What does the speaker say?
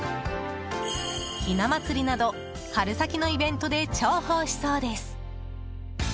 ひな祭りなど春先のイベントで重宝しそうです。